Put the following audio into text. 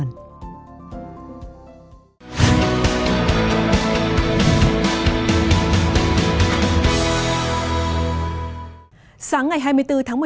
sáng ngày hai mươi bốn tháng một mươi một quốc hội đã triển khai một bộ phim truyền thông điệp của chương trình anti fake news